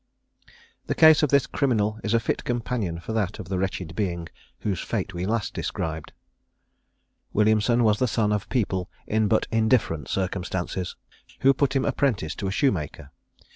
The case of this criminal is a fit companion for that of the wretched being whose fate we last described. Williamson was the son of people in but indifferent circumstances, who put him apprentice to a shoemaker.